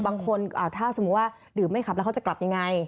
บางคนถ้าสมมุติว่าดื่มไม่ขับแล้วเขาจะกลับยังไง